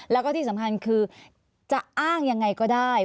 แล้วก็ที่สำคัญคือจะอ้างยังไงก็ได้